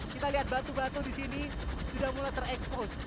kita lihat batu batu di sini sudah mulai terekspos